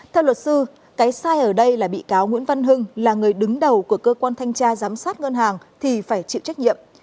theo luật sư cái sai ở đây là bị cáo nguyễn văn hưng là người đứng đầu của cơ quan thanh tra giám sát ngân hàng thì phải chịu trách nhiệm